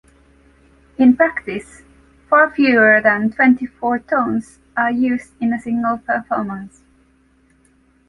In practice far fewer than twenty-four tones are used in a single performance.